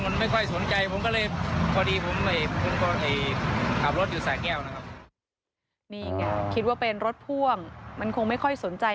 นี่ไงคิดว่าเป็นรถพ่วงมันคงไม่ค่อยสนใจ